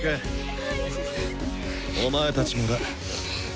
お前たちもだ。